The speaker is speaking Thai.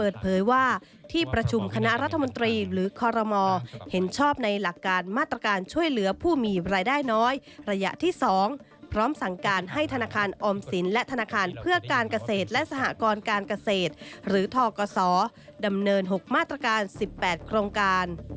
ดามเนิน๖มาตรการ๑๘โครงการ